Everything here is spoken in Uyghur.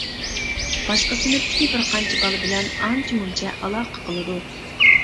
باشقا سىنىپتىكى بىرقانچە بالا بىلەن ئانچە مۇنچە ئالاقە قىلىدۇ.